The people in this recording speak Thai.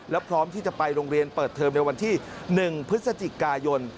และพร้อมที่จะไปโรงเรียนเปิดเทอมในวันที่๑พฤศจิกายน